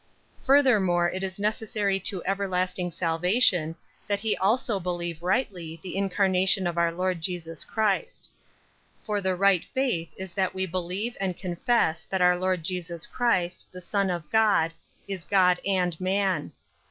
29. Furthermore it is necessary to everlasting salvation that he also believe rightly the incarnation of our Lord Jesus Christ. 30. For the right faith is that we believe and confess that our Lord Jesus Christ, the Son of God, is God and man.